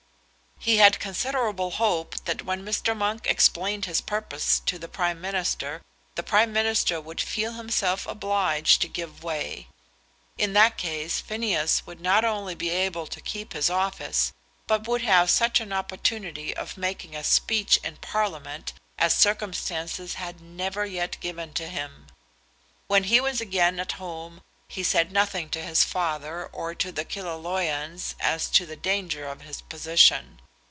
He had considerable hope that when Mr. Monk explained his purpose to the Prime Minister, the Prime Minister would feel himself obliged to give way. In that case Phineas would not only be able to keep his office, but would have such an opportunity of making a speech in Parliament as circumstances had never yet given to him. When he was again at home he said nothing to his father or to the Killaloeians as to the danger of his position.